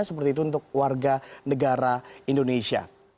seperti itu untuk warga negara indonesia